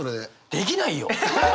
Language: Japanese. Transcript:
できないよ！